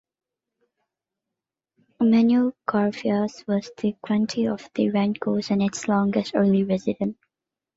Manuel Garfias was the grantee of the Rancho and its longest early resident.